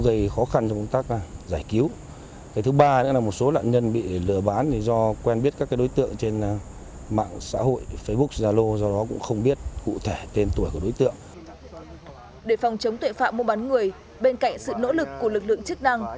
để phòng chống tội phạm mua bán người bên cạnh sự nỗ lực của lực lượng chức năng